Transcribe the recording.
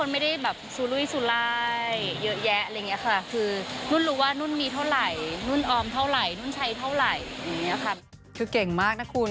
ใช้เท่าไหร่อย่างเนี้ยค่ะคือเก่งมากนะคุณ